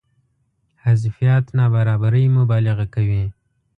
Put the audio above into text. حذفيات نابرابرۍ مبالغه کوي.